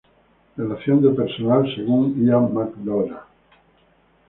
Relación de personal según Ian MacDonald